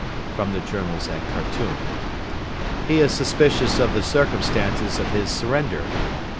[JOURNALS AT KHARTOUM.] He is suspicious of the circumstances of his surrender.